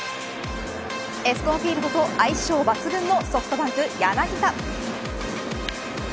エスコンフィールドと相性抜群のソフトバンク柳田。